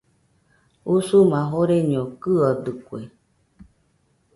Usuma joreño kɨodɨkue.